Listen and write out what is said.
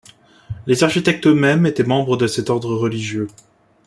Les architectes eux-mêmes étaient membres de cet ordre religieux.